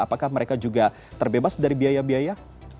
apakah mereka juga terbebas dari biaya biaya